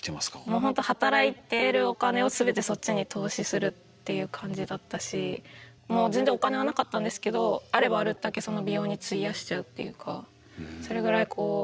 もうほんと働いてるお金をすべてそっちに投資するっていう感じだったし全然お金はなかったんですけどあればあるったけ美容に費やしちゃうっていうかそれぐらい。